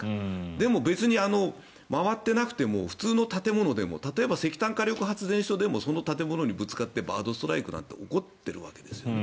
でも、別に回っていなくても普通の建物でも例えば、石炭火力発電所でもその建物にぶつかってバードストライクなんて起こっているわけですね。